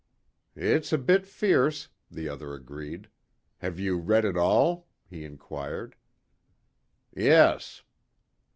"It's a bit fierce," the other agreed. "Have you read it all?" he inquired. "Yes."